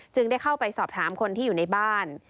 ได้เข้าไปสอบถามคนที่อยู่ในบ้าน